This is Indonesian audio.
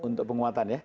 untuk penguatan ya